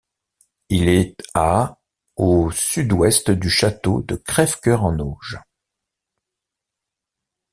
Il est à au sud-ouest du château de Crèvecœur-en-Auge.